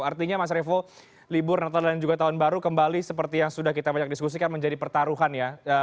artinya mas revo libur natal dan juga tahun baru kembali seperti yang sudah kita banyak diskusikan menjadi pertaruhan ya